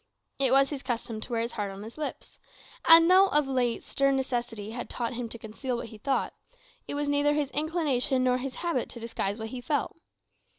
It was his custom to wear his heart on his lips; and though of late stern necessity had taught him to conceal what he thought, it was neither his inclination nor his habit to disguise what he felt.